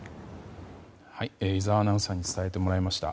井澤アナウンサーに伝えてもらいました。